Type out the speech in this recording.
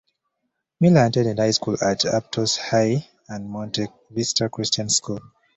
Miller attended high school at Aptos High and Monte Vista Christian School.